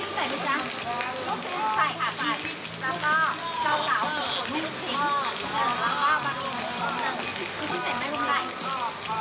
วันสุดท้ายคำนวงค่ะ